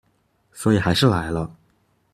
所以還是來了